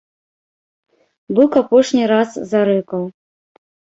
Бык апошні раз зарыкаў.